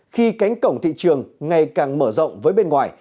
khi cánh cổng thị trường ngày càng mở rộng với bên ngoài